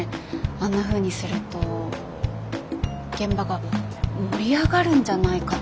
あんなふうにすると現場が盛り上がるんじゃないかと。